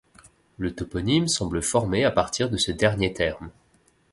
Le toponyme semble formé à partir de ce dernier terme.